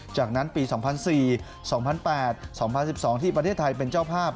จากนั้นปี๒๐๐๔๒๐๐๘๒๐๑๒ที่ประเทศไทยเป็นเจ้าภาพ